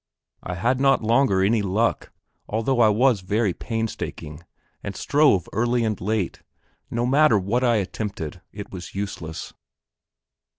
I had not longer any luck, although I was very painstaking, and strove early and late; no matter what I attempted, it was useless.